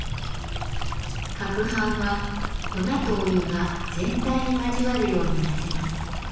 攪拌は粉とお湯が全体に交わるように混ぜます。